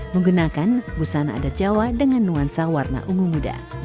menggunakan busana adat jawa dengan nuansa warna ungu muda